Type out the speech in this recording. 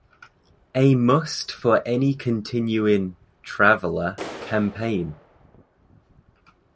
A must for any continuing "Traveller" campaign.